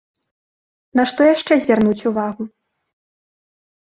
На што яшчэ звярнуць увагу?